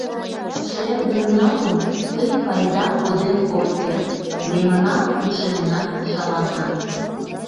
Шергын налын, тый пайдам коден от керт, мемнан ушемнат шалана.